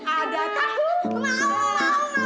ada tabu mau mau